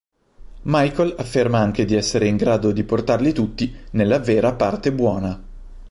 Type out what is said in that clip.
Michael afferma anche di essere in grado di portarli tutti nella vera parte buona.